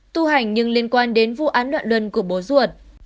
tu hành nhưng liên quan đến vụ án loạn luân của bố ruột